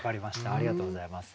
ありがとうございます。